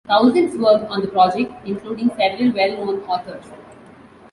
Thousands worked on the project, including several well-known authors.